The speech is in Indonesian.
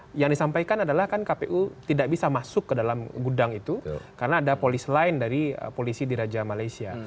nah yang disampaikan adalah kan kpu tidak bisa masuk ke dalam gudang itu karena ada polis lain dari polisi di raja malaysia